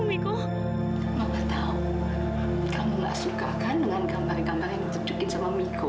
itu gambar mira mai